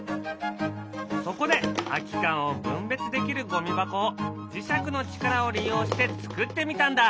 そこで空き缶を分別できるゴミ箱を磁石の力を利用して作ってみたんだ。